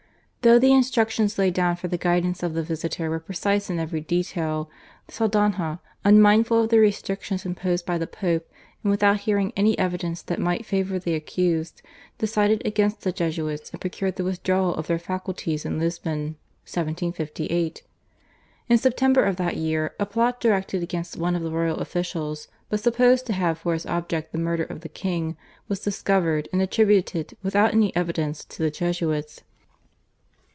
Though the instructions laid down for the guidance of the visitor were precise in every detail, Saldanha, unmindful of the restrictions imposed by the Pope and without hearing any evidence that might favour the accused, decided against the Jesuits and procured the withdrawal of their faculties in Lisbon (1758). In September of that year a plot directed against one of the royal officials, but supposed to have for its object the murder of the king, was discovered and attributed without any evidence to the Jesuits.